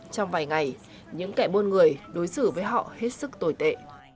trong vài ngày những kẻ buôn người đối xử với họ hết sức tồi tệ